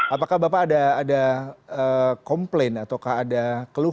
apakah bapak ada komplain ataukah ada keluhan